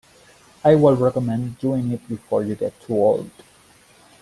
I would recommend doing it before you get too old.